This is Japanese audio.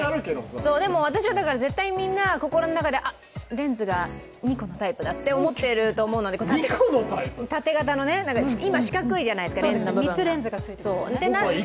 でも私は絶対にみんな、あっ、レンズが２個のタイプだと思ってると思うので縦型の、今、四角いじゃないですか、レンズの部分が。